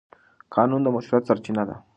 قانون د مشروعیت سرچینه ده.